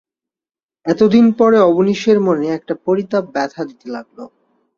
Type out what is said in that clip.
এতদিন পরে অবনীশের মনে একটা পরিতাপ ব্যথা দিতে লাগল।